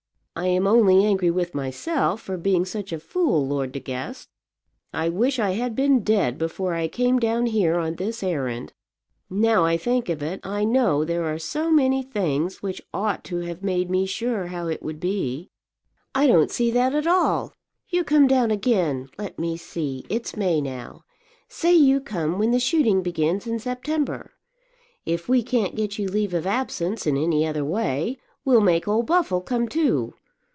I am only angry with myself for being such a fool, Lord De Guest. I wish I had been dead before I came down here on this errand. Now I think of it, I know there are so many things which ought to have made me sure how it would be." "I don't see that at all. You come down again, let me see, it's May now. Say you come when the shooting begins in September. If we can't get you leave of absence in any other way, we'll make old Buffle come too.